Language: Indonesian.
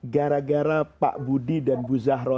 gara gara pak budi dan ibu zahra